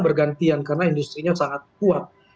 bergantian karena industrinya sangat kuat